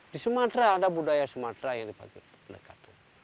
di sumatera ada budaya sumatera yang dipakai pendekat